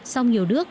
sau nhiều nước